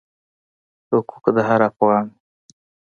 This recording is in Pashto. حقوق د هر افغان دی.